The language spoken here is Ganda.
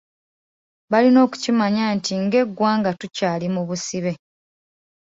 Balina okukimanya nti ng'eggwanga tukyali mu busibe.